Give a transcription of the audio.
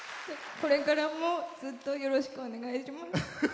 これからもずっとよろしくお願いします。